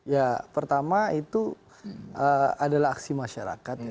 ya pertama itu adalah aksi masyarakat ya